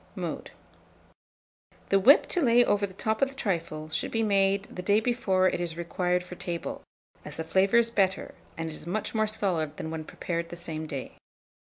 [Illustration: TRIFLE.] Mode. The whip to lay over the top of the trifle should be made the day before it is required for table, as the flavour is better, and it is much more solid than when prepared the same day.